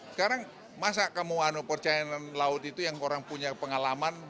sekarang masa kamu percaya dengan laut itu yang orang punya pengalaman